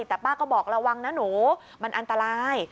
แต่ป้าก็บอกระวังนะหนูมันอันตราย